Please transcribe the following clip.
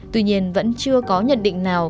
tuy nhiên vẫn chưa có nhận định nào